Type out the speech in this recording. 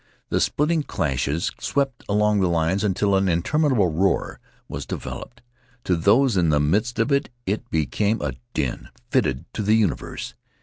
The splitting crashes swept along the lines until an interminable roar was developed. To those in the midst of it it became a din fitted to the universe.